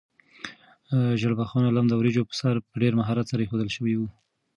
ژیړبخون لم د وریجو په سر په ډېر مهارت سره ایښودل شوی و.